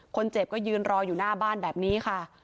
คนเจ็บก็ยืนรออยู่หน้าบ้านแบบนี้ค่ะ